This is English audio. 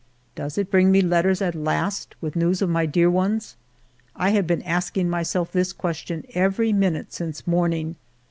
Does it bring me letters at last, with news of my dear ones ? I have been asking my self this question every minute since morning.